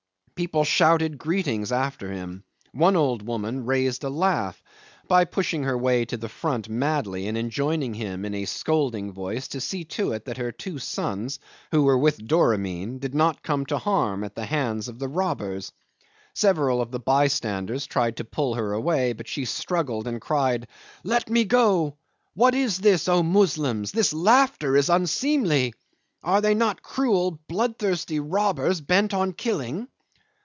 People shouted greetings after him. One old woman raised a laugh by pushing her way to the front madly and enjoining him in a scolding voice to see to it that her two sons, who were with Doramin, did not come to harm at the hands of the robbers. Several of the bystanders tried to pull her away, but she struggled and cried, "Let me go. What is this, O Muslims? This laughter is unseemly. Are they not cruel, bloodthirsty robbers bent on killing?"